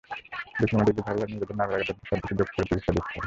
Diploma ডিগ্রিধারীরা নিজের নামের আগে ডেন্টিস্ট শব্দটি যোগ করে চিকিৎসা দিচ্ছেন।